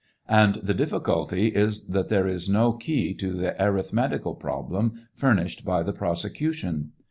And the difficulty is that there is no key to the arithmetical problem furnished by the prosecution.